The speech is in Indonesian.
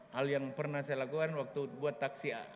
hal yang pernah saya lakukan waktu buat taksi a